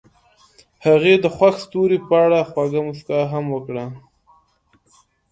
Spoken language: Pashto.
هغې د خوښ ستوري په اړه خوږه موسکا هم وکړه.